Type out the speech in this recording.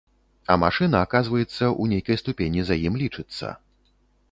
А машына, аказваецца, у нейкай ступені за ім лічыцца.